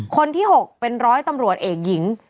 คนที่๖เป็นร้อยตำรวจเอกหญิง